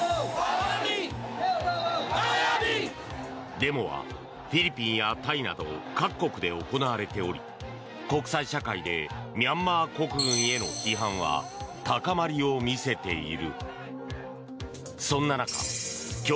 デモはフィリピンやタイなど各国で行われており国際社会でミャンマー国軍への批判は高まりを見せている。